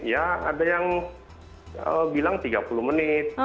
ya ada yang bilang tiga puluh menit